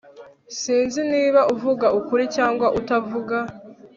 sinzi niba uvuga ukuri cyangwa utavuga